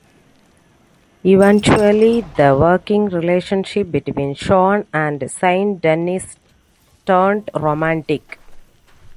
Eventually, the working relationship between Shawn and Saint Denis turned romantic.